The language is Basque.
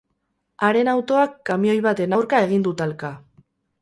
Haren autoak kamioi baten aurka egin du talka.